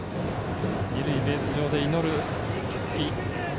二塁ベース上で祈る木次。